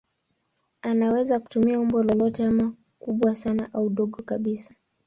Anaweza kutumia umbo lolote ama kubwa sana au dogo kabisa.